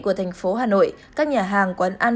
của thành phố hà nội các nhà hàng quán ăn